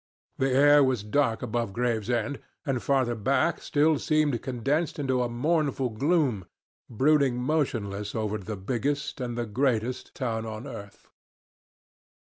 The air was dark above Gravesend, and farther back still seemed condensed into a mournful gloom, brooding motionless over the biggest, and the greatest, town on earth.